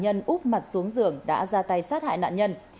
nạn nhân úp mặt xuống giường đã ra tay sát hại nạn nhân